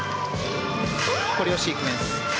コレオシークエンス。